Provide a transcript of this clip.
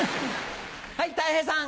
はいたい平さん。